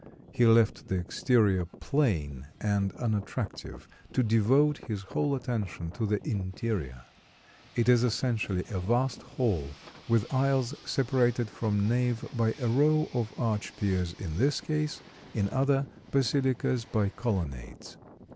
He left the exterior plain and unattractive, to devote his whole attention to the interior. It is essentially a vast hall, with aisles separated from nave by a row of arched piers in this case, in other basilicas by colonnades.